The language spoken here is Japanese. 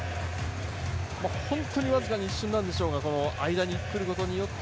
本当にわずか一瞬なんでしょうが間に来ることによって。